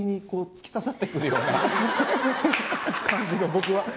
感じが僕は。